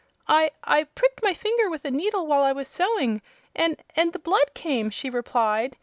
"I I pricked my finger with a needle while I was sewing, and and the blood came!" she replied.